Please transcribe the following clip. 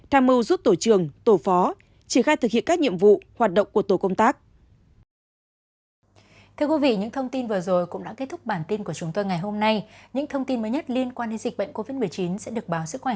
tham mưu giúp tổ trường tổ phó triển khai thực hiện các nhiệm vụ hoạt động của tổ công tác